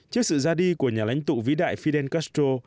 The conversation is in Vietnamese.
trước sự ra đi của nhà lãnh tụ vĩ đại fidel castro